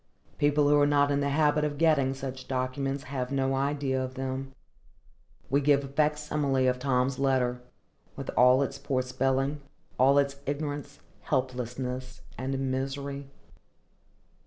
People who are not in the habit of getting such documents have no idea of them. We give a facsimile of Tom's letter, with all its poor spelling, all its ignorance, helplessness, and misery.